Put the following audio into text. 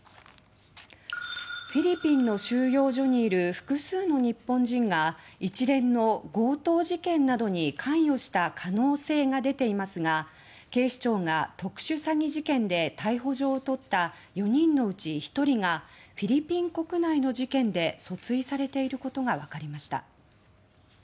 フィリピンの収容所にいる複数の日本人が一連の強盗事件などに関与した可能性が出ていますが警視庁が特殊詐欺事件で逮捕状を取った４人のうち１人が、フィリピン国内の事件で訴追されていることが分かりました。